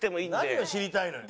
何を知りたいのよ？